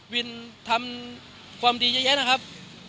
วินทำความดีเยอะแยะนะครับ